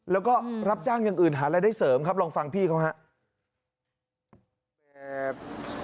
แล้วก็รับจ้างอย่างอื่นหารายได้เสริมครับลองฟังพี่เขาครับ